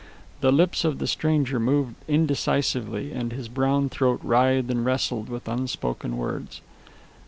The lips of the stranger moved indecisively, and his brown throat writhed and wrestled with unspoken words.